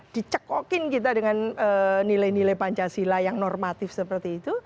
dicekokin kita dengan nilai nilai pancasila yang normatif seperti itu